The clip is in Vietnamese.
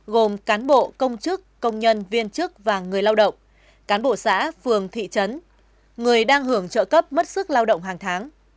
gồm cán bộ công chức công nhân viên chức và người lao động cán bộ xã phường thị trấn người đang hưởng trợ cấp mất sức lao động hàng tháng